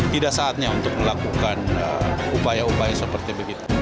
tidak saatnya untuk melakukan upaya upaya seperti begitu